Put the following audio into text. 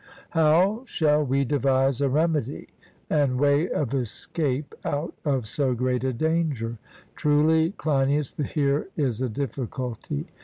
How shall we devise a remedy and way of escape out of so great a danger? Truly, Cleinias, here is a difficulty.